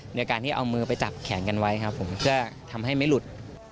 โดยการที่เอามือไปจับแขนกันไว้ครับผมเพื่อทำให้ไม่หลุด